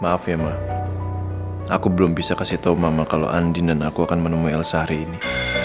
maaf ya mak aku belum bisa kasih tahu mama kalau andin dan aku akan menemui elsa hari ini